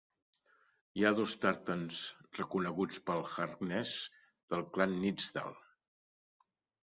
Hi ha dos tartans reconeguts pels Harknesses del clan Nithsdale.